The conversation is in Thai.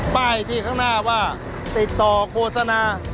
ป้ายที่ข้างหน้าว่าติดต่อโฆษณา